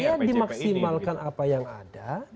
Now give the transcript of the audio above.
ya dimaksimalkan apa yang ada